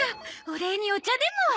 お礼にお茶でも。